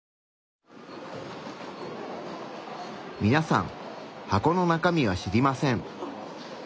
みなさん箱の中身は知りません。